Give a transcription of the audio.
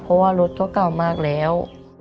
เพราะว่ารถก็เก่ามากแล้ว